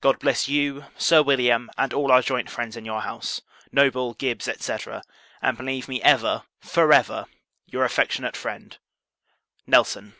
God bless you, Sir William, and all our joint friends in your house; Noble, Gibbs, &c. and believe me ever, for ever, your affectionate friend, NELSON.